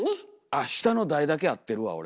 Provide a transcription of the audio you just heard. あっ下の台だけ合ってるわ俺。